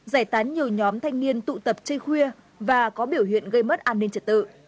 giải tán nhiều nhóm thanh niên tụ tập chơi khuya và có biểu hiện gây mất an ninh trật tự